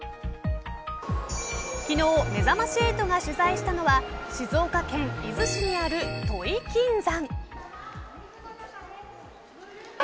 昨日、めざまし８が取材したのは静岡県伊豆市にある土肥金山。